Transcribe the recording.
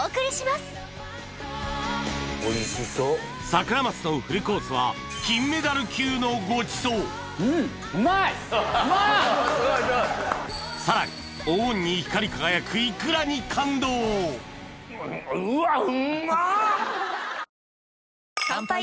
サクラマスのフルコースは金メダル級のごちそうさらに黄金に光り輝くイクラに感動うわっ！